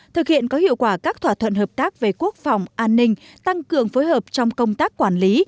thực hiện có hiệu quả các thỏa thuận hợp tác về quốc phòng an ninh tăng cường phối hợp trong công tác quản lý